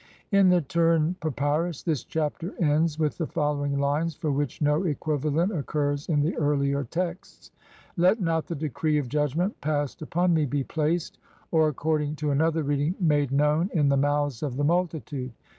In the Turin papyrus this Chapter ends with the following lines for which no equivalent occurs in the earlier texts :— (16) "Let not the decree of judgment passed upon me be placed," or, according to another reading, "made known in the mouths of "the multitude.